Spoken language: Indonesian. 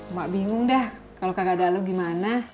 mak bingung dah kalau kagak dahulu gimana